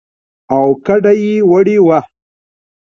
او کډه يې وړې وه.